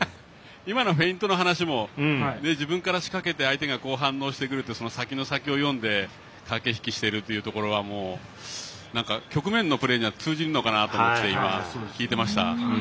今のフェイントの話も自分から仕掛けて相手が反応にしてくるって先の先を読んで駆け引きしているというところは局面のプレーには通じるのかなと思ってすごく聞いてました。